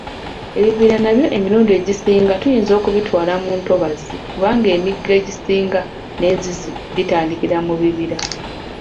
Ebibira nabyo emirundi egisinga tuyinza okubitwalira mu ntobazi kubanga emigga egisinga n'enzizzi bitandiikira mu bibira